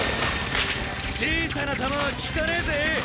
小さな弾は効かねえぜ！